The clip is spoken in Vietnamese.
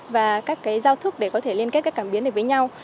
và các cái giao thức để có thể liên kết các cảm biến được với nhau